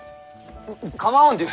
構わんでよい。